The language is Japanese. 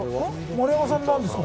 丸山さんなんですか？